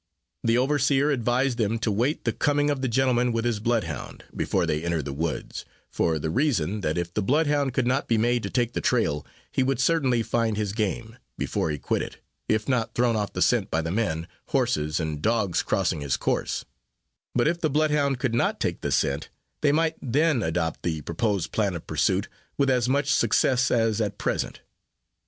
The overseer advised them to wait the coming of the gentleman with his blood hound, before they entered the woods; for the reason, that if the blood hound could be made to take the trail, he would certainly find his game, before he quit it, if not thrown off the scent by the men, horses, and dogs crossing his course; but if the blood hound could not take the scent, they might then adopt the proposed plan of pursuit, with as much success as at present.